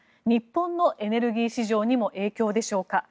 日本のエネルギー市場にも影響でしょうか。